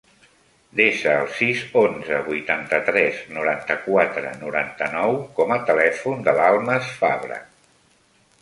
Desa el sis, onze, vuitanta-tres, noranta-quatre, noranta-nou com a telèfon de l'Almas Fabre.